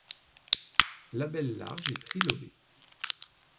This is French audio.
Labelle large et trilobé.